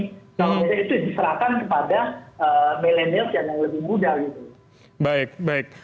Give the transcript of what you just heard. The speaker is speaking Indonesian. kalau tidak itu diserahkan kepada millennials yang lebih muda gitu